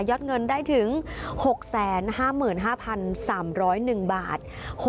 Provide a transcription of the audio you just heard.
อดเงินได้ถึง๖๕๕๓๐๑บาท